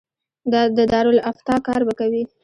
د دارالافتا کار به کوي.